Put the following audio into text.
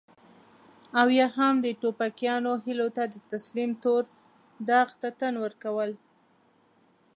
او يا هم د ټوپکيانو هيلو ته د تسليم تور داغ ته تن ورکول.